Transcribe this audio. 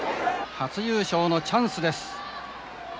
初優勝のチャンスです。